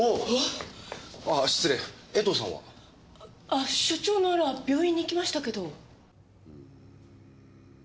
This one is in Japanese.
あ所長なら病院に行きましたけど。